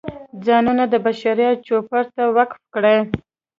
ځانونه د بشریت چوپړ ته وقف کړي.